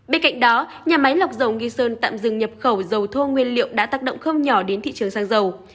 bên cạnh đó nhà máy lọc dầu nghi sơn tạm dừng nhập khẩu dầu thô nguyên liệu đã tác động không nhỏ đến thị trường sang dầu